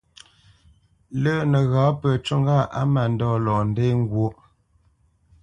Lə́ nəghǎ pə ncû ŋgâʼ á mândɔ̂ lɔ ndê ŋgwóʼ.